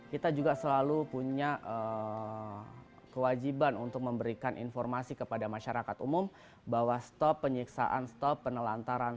kita juga selalu punya kewajiban untuk memberikan informasi kepada masyarakat umum bahwa stop penyiksaan stop penelantaran